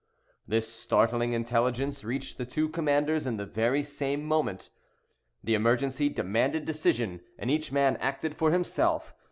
This startling intelligence reached the two commanders in the very same moment. The emergency demanded decision, and each man acted for himself.